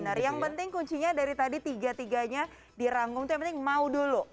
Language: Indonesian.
benar yang penting kuncinya dari tadi tiga tiganya dirangkum itu yang penting mau dulu